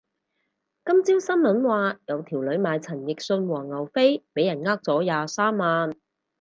今朝新聞話有條女買陳奕迅黃牛飛俾人呃咗廿三萬